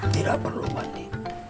tidak perlu bhandi